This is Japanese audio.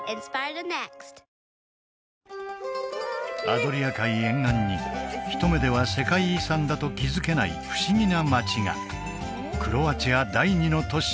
アドリア海沿岸にひと目では世界遺産だと気づけない不思議な街がクロアチア第二の都市